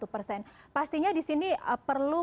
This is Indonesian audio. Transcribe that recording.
satu persen pastinya disini perlu